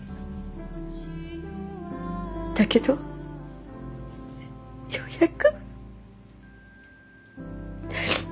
だけどようやく。